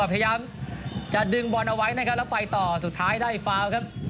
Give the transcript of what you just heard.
พยายามจะดึงบอลเอาไว้นะครับแล้วไปต่อสุดท้ายได้ฟาวครับ